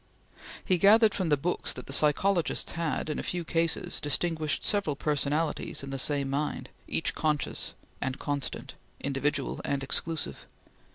He gathered from the books that the psychologists had, in a few cases, distinguished several personalities in the same mind, each conscious and constant, individual and exclusive.